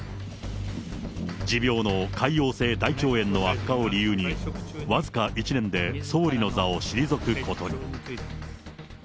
持病の潰瘍性大腸炎の悪化を理由に、僅か１年で、総理の座を退くことに。